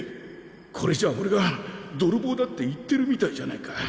これじゃおれがどろぼうだって言ってるみたいじゃないか。